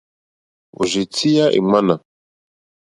Òrzì tíyá èŋmánà.